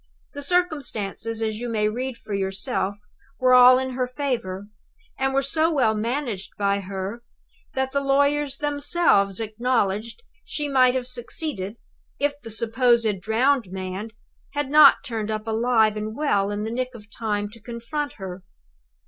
The circumstances, as you may read for yourself, were all in her favor, and were so well managed by her that the lawyers themselves acknowledged she might have succeeded, if the supposed drowned man had not turned up alive and well in the nick of time to confront her.